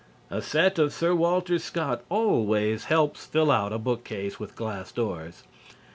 A set of Sir Walter Scott always helps fill out a bookcase with glass doors.